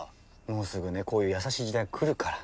もうすぐねこういう優しい時代来るから。